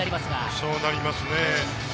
そうなりますね。